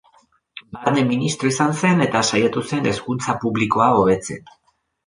Barne ministro izan zen eta saiatu zen hezkuntza publikoa hobetzen.